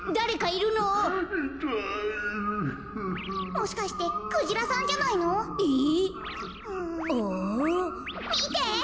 もしかしてクジラさんじゃないの？え？あ？みて！